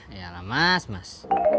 ayalah mas mas